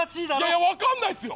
いやわかんないっすよ